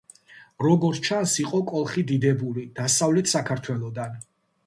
როგორც ჩანს, იყო კოლხი დიდებული დასავლეთ საქართველოდან.